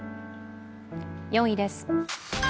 ４位です。